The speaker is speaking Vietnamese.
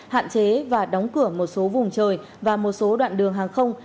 hạn chế và đóng cửa một số vùng trời và một số đoạn đường hàng không